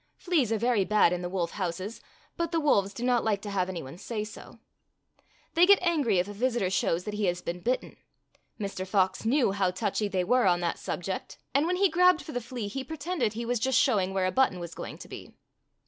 Fleas are very bad in the wolf houses, but the wolves do not like to have any one say so. They get angry if a visitor shows that he has been bitten. Mr. Fox knew how touchy they were on that subject, and when he grabbed 18 Fairy Tale Foxes for the flea he pretended he was just showing where a button was going to be.